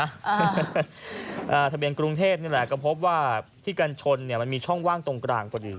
อ่าทะเบียนกรุงเทพนี่แหละก็พบว่าที่กันชนเนี่ยมันมีช่องว่างตรงกลางพอดี